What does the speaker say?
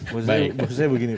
maksud saya begini pak